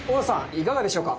いかがでしょうか？